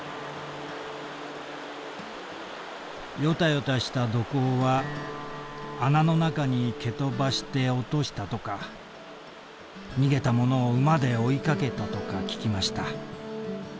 「ヨタヨタした土工は穴の中にけとばして落としたとか逃げたものを馬で追いかけたとか聞きました。